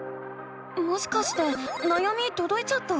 もしかしてなやみとどいちゃった？